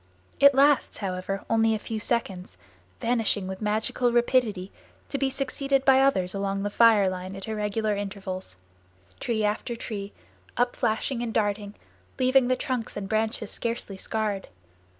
It lasts, however, only a few seconds, vanishing with magical rapidity, to be succeeded by others along the fire line at irregular intervals, tree after tree, upflashing and darting, leaving the trunks and branches scarcely scarred.